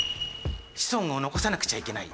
子孫を残さなくちゃいけない！